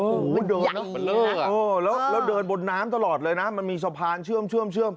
โอ้โฮเดินเนอะโอ้โฮแล้วเดินบนน้ำตลอดเลยนะมันมีสะพานเชื่อม